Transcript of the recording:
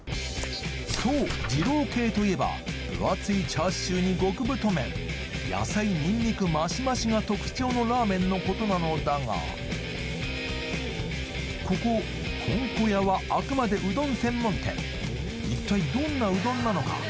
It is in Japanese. そう二郎系といえば分厚いチャーシューに極太麺野菜・ニンニクマシマシが特徴のラーメンのことなのだがこここんこ屋はあくまでうどん専門店一体どんなうどんなのか？